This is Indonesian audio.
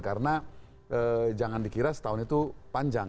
karena jangan dikira setahun itu panjang